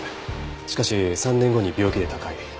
しかし３年後に病気で他界。